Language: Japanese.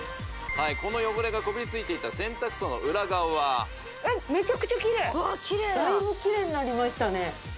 この汚れがこびりついていた洗濯槽の裏側はメチャクチャキレイだいぶキレイになりましたね